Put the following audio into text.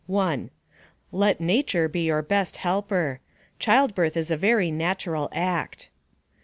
Let nature be your best helper. Childbirth is a very natural act.